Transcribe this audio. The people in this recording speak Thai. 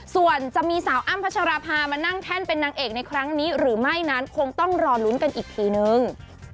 ส่วนจะมีสาวอ้ำพัชราภามานั่งแท่นเป็นนางเอกในครั้งนี้หรือไม่นั้นคงต้องรอลุ้นกันอีกทีนึง